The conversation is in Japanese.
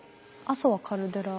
阿蘇はカルデラ。